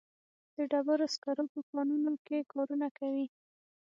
د ډبرو سکرو په کانونو کې کارونه کوي.